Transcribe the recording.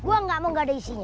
gue gak mau gak ada isinya